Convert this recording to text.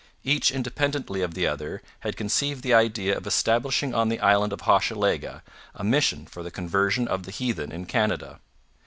Each independently of the other had conceived the idea of establishing on the island of Hochelaga a mission for the conversion of the heathen in Canada.